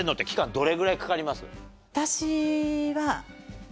どれぐらいかかります？